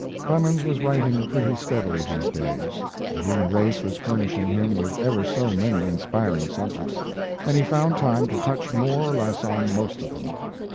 Clemens was writing pretty steadily these days. The human race was furnishing him with ever so many inspiring subjects, and he found time to touch more or less on most of them.